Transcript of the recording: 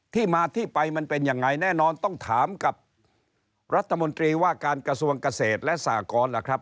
ที่มาที่ไปมันเป็นยังไงแน่นอนต้องถามกับรัฐมนตรีว่าการกระทรวงเกษตรและสากรล่ะครับ